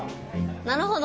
なるほど。